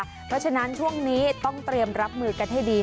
เพราะฉะนั้นช่วงนี้ต้องเตรียมรับมือกันให้ดี